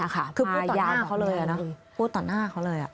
คือพูดต่อหน้าเขาเลยนะพูดต่อหน้าเขาเลย